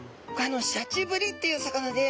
シャチブリっていう魚で。